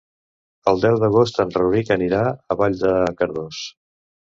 El deu d'agost en Rauric anirà a Vall de Cardós.